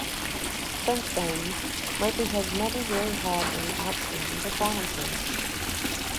Since then Murphy has never really had any outstanding performances.